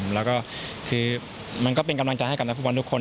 แล้วก็คือมันก็เป็นกำลังใจให้กับนักฟุตบอลทุกคน